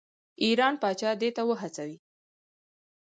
ایران پاچا دې ته وهڅوي.